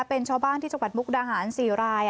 เป็นชาวบ้านที่จังหวัดมุกดาหาร๔ราย